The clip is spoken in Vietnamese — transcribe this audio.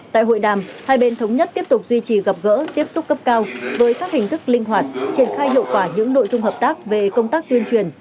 tại hội đàm hai bên thống nhất tiếp tục duy trì gặp gỡ tiếp xúc cấp cao với các hình thức linh hoạt triển khai hiệu quả những nội dung hợp tác về công tác tuyên truyền